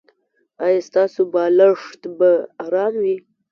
ایا ستاسو بالښت به ارام وي؟